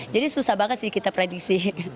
jadi susah banget sih kita prediksi